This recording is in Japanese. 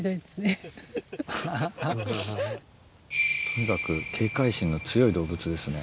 とにかく警戒心の強い動物ですね。